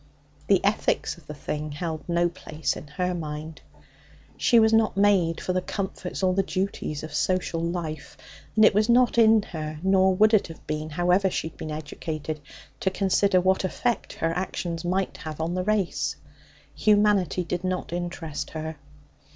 The ethics of the thing held no place in her mind. She was not made for the comforts or the duties of social life, and it was not in her nor would it have been, however she had been educated to consider what effect her actions might have on the race. Humanity did not interest her.